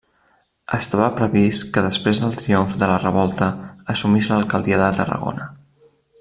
Estava previst que després del triomf de la revolta assumís l'alcaldia de Tarragona.